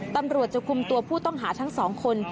ตำรวจจะคุมตัวผู้ต้องหาทั้งสองคน